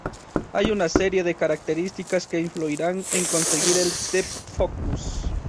Hay una serie de características que influirán en conseguir el "deep focus".